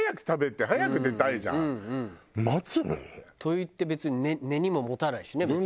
待つの？といって別に根にも持たないしね別に。